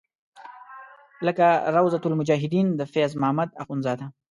لکه روضة المجاهدین د فیض محمد اخونزاده.